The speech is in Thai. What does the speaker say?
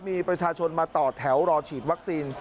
มีประชาชนมาต่อแถวรอฉีดวัคซีน